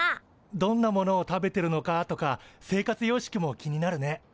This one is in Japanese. どんなものを食べてるのかとか生活様式も気になるね。